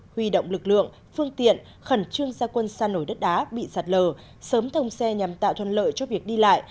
huy động lực lượng phương tiện khẩn trương gia quân sa nổi đất đá bị sạt lở sớm thông xe nhằm tạo thuận lợi cho việc đi lại